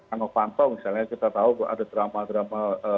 anok panto misalnya kita tahu ada drama drama